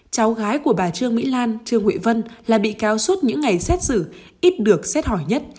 cháu gái của bà trương mỹ lan trương huệ vân là bị cáo suốt những ngày xét xử ít được xét hỏi nhất